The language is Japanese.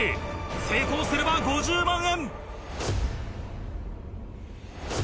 成功すれば５０万円！